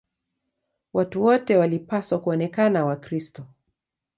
Watu wote walipaswa kuonekana Wakristo.